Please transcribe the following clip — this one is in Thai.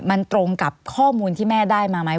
มันตรงกับข้อมูลที่แม่ได้มาไหม